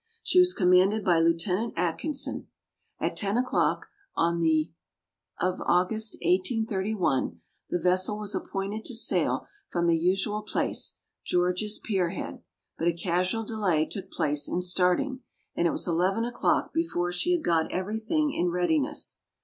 She was commanded by Lieut. Atkinson. At ten o'clock on the of August, 1831 the vessel was appointed to sail from the usual place, George's Pierhead, but a casual delay took place in starting, and it was eleven o'clock before she had got every thing in readiness.